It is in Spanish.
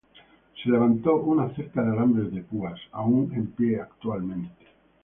Se levantó una cerca de alambre de púas, aún en pie actualmente.